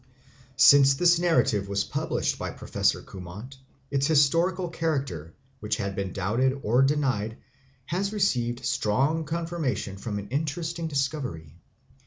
Since this narrative was published by Professor Cumont, its historical character, which had been doubted or denied, has received strong confirmation from an interesting discovery.